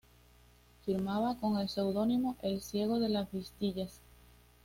Firmaba con el seudónimo "el Ciego de las Vistillas".